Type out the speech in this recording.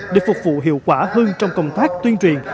để phục vụ hiệu quả hơn trong công tác tuyên truyền